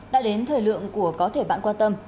đã đến thời lượng của có thể bạn quan tâm